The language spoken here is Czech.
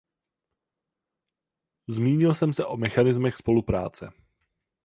Zmínil jsem se o mechanismech spolupráce.